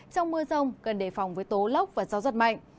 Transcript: trong mưa rông cần đề phòng với tổng thống